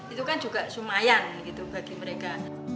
itu kan juga semayan bagi mereka